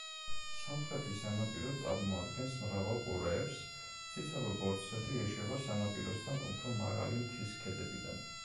სამხრეთი სანაპირო წარმოადგენს მრავალ ყურეებს; ციცაბო ბორცვები ეშვება სანაპიროსთან უფრო მაღალი მთის ქედებიდან.